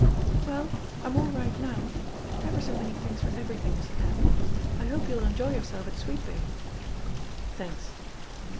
"Well, I'm all right now I Ever so many thanks for everything, Mr. Tatham. I hope you'll enjoy yourself at Sweetbay." "Thanks.